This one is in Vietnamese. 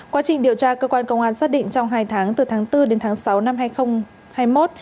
quá trình điều tra cơ quan công an xác định trong hai tháng từ tháng bốn đến tháng sáu năm hai nghìn hai mươi một